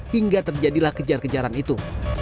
hingga terjadilah kejar kejaran itu